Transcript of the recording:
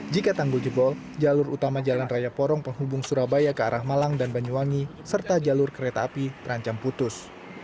jika tanggul jebol jalur utama jalan raya porong penghubung surabaya ke arah malang dan banyuwangi serta jalur kereta api terancam putus